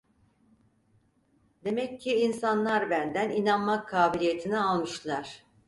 Demek ki, insanlar benden inanmak kabiliyetini almışlar…